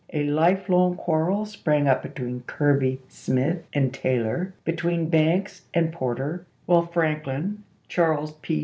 A life long quarrel sprang up between Kirby Smith and Taylor, be tween Banks and Porter, while Franklin, Charles P.